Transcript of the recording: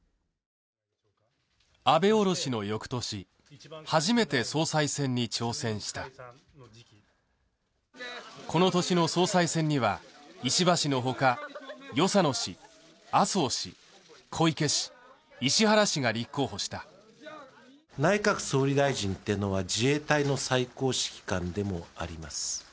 安倍おろしの翌年初めて総裁選に挑戦したこの年の総裁選には石破氏のほか与謝野氏麻生氏小池氏石原氏が立候補した内閣総理大臣っていうのは自衛隊の最高指揮官でもあります